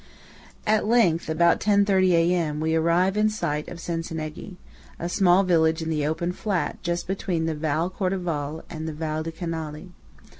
At length, about 10:30 A.M. we arrive in sight of Cencenighe, a small village in the open flat just between the Val Cordevole and the Val di Canale.